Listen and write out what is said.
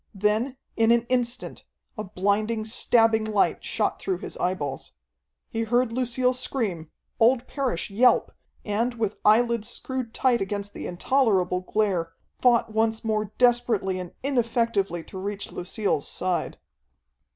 Then, in an instant, a blinding, stabbing light shot through his eyeballs. He heard Lucille scream, old Parrish yelp, and, with eyelids screwed tight against the intolerable glare, fought once more desperately and ineffectively to reach Lucille's side.